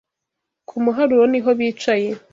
Ku muharuro niho bicaye